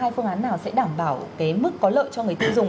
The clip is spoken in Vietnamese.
phương án nào sẽ đảm bảo mức có lợi cho người tiêu dùng